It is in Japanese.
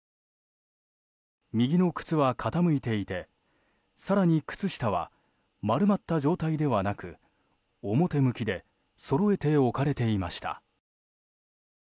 右の靴は傾いていて更に、靴下は丸まった状態ではなく、表向きでそろえて置かれていました。